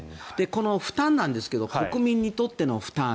この負担なんですが国民にとっての負担